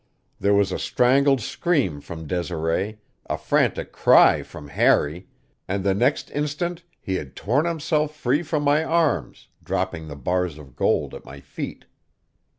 There was a strangled scream from Desiree, a frantic cry from Harry and the next instant he had torn himself free from my arms, dropping the bars of gold at my feet.